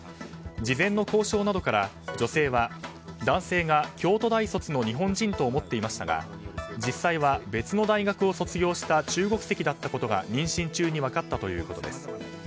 事前の交渉などから女性は、男性が京都大卒の日本人と思っていましたが実際は別の大学を卒業した中国籍だったことが妊娠中に分かったということです。